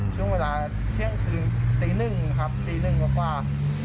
ช่วงเวลาเที่ยงคืนตีหนึ่งครับตีหนึ่งกว่า